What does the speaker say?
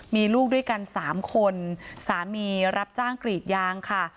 มีลูกด้วยกัน๓คนสามีรับจ้างกรีดยางค่ะ